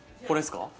これですか？